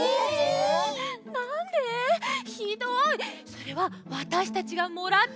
それはわたしたちがもらった